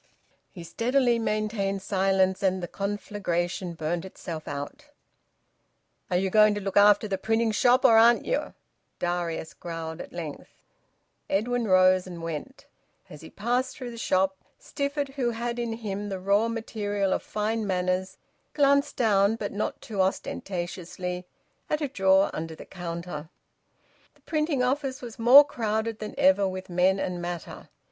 He steadily maintained silence, and the conflagration burnt itself out. "Are you going to look after the printing shop, or aren't you?" Darius growled at length. Edwin rose and went. As he passed through the shop, Stifford, who had in him the raw material of fine manners, glanced down, but not too ostentatiously, at a drawer under the counter. The printing office was more crowded than ever with men and matter.